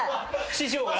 師匠が？